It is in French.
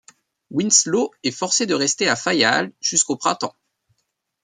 Winslow est forcé de rester à Fayal jusqu'au printemps.